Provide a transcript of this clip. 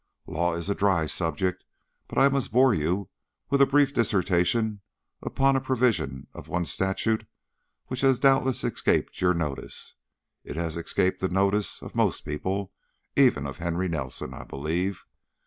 Law is a dry subject, but I must bore you with a brief dissertation upon a provision of one statute which has doubtless escaped your notice. It has escaped the notice of most people, even of Henry Nelson, I believe.